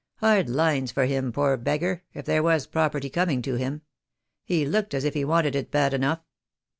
Hard lines for him, poor beggar, if there was property coming to him. He looked as if he wanted it bad enough."